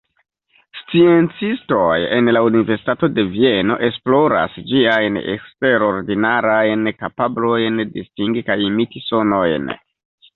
Sciencistoj en la Universitato de Vieno esploras ĝiajn eksterordinarajn kapablojn distingi kaj imiti sonojn.